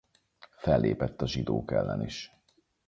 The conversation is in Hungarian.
Fellépett a zsidók ellen is.